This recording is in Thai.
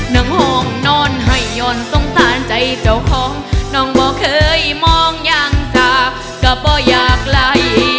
น้องฮองนอนไหยยอนทรงทานใจเจ้าคงน่องบ่อเคยมองอย่างจากก็บ่อยากไหล